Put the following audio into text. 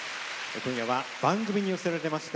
今夜は番組に寄せられました